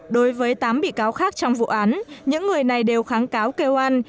đối với tám bị cáo khác trong vụ án những người này đều kháng cáo kêu an